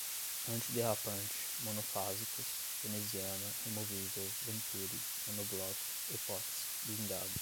antiderrapante, monofásicos, veneziana, removível, venturi, monobloco, epóxi, blindado